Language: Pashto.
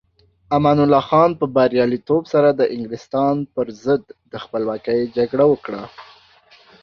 امان الله خان په بریالیتوب سره د انګلستان پر ضد د خپلواکۍ جګړه وکړه.